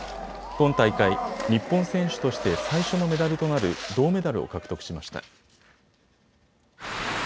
今大会、日本選手として最初のメダルとなる銅メダルを獲得しました。